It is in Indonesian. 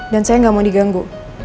dan saya gak mau diganggu